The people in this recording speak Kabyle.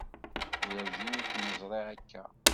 Werǧin i kem-ẓriɣ akka.